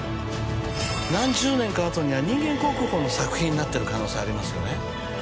何十年か後には人間国宝の作品になってる可能性ありますよね。